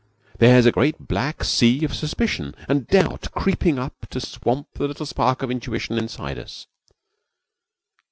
There's a great black sea of suspicion and doubt creeping up to swamp the little spark of intuition inside us.